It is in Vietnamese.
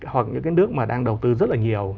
hoặc những cái nước mà đang đầu tư rất là nhiều